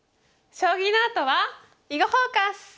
将棋のあとは「囲碁フォーカス」！